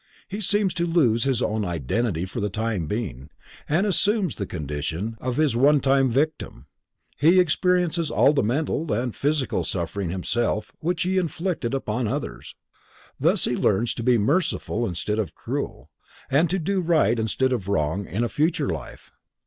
He seems to lose his own identity for the time being, and assumes the condition of his one time victim, he experiences all the mental and physical suffering himself which he inflicted upon others. Thus he learns to be merciful instead of cruel, and to do right instead of wrong in a future life.